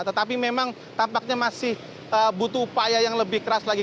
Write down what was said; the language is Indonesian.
tetapi memang tampaknya masih butuh upaya yang lebih keras lagi